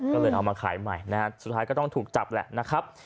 ก็เลยเอามาขายใหม่นะฮะสุดท้ายก็ต้องถูกจับแหละนะครับ